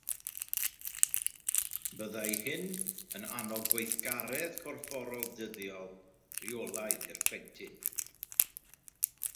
Byddai hyn yn annog gweithgaredd corfforol dyddiol rheolaidd i'r plentyn